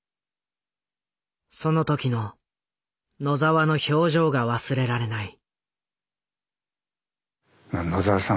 その時の野澤の表情が忘れられない。